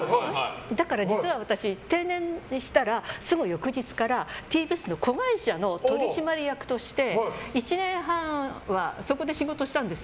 だから実は私、定年したらすぐ翌日からＴＢＳの子会社の取締役として１年半は、そこで仕事したんです。